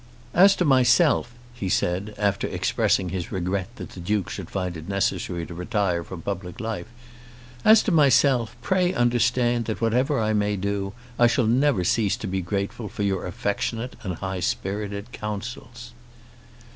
"As to myself," he said, after expressing his regret that the Duke should find it necessary to retire from public life "as to myself, pray understand that whatever I may do I shall never cease to be grateful for your affectionate and high spirited counsels."